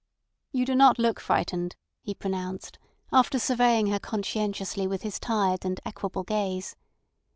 "You do not look frightened," he pronounced, after surveying her conscientiously with his tired and equable gaze.